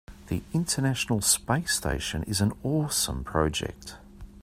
The international space station is an awesome project.